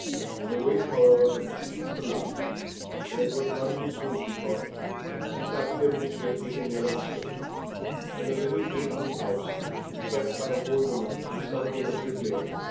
The waste, however, had ceased at last, and it was none too soon, she thought, as she sat in the room she had taken near the hospital, in a little eight roomed house, kept by an old woman whose son was a bricklayer.